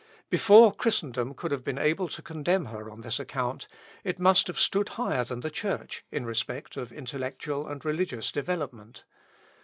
Before Christendom could have been able to condemn her on this account, it must have stood higher than the Church, in respect of intellectual and religious development.